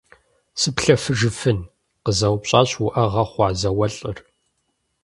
- Сыплъэфыжыфын? – къызэупщӀащ уӏэгъэ хъуа зауэлӏыр.